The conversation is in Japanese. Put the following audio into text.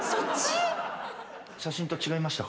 写真と違いましたか？